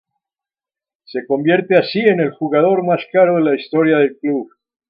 Se convierte así en el jugador más caro de la historia del club.